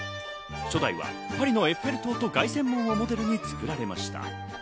初代はパリのエッフェル塔と凱旋門をモデルに作られました。